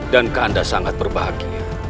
dan kanda sangat berbahagia